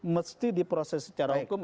mesti diproses secara hukum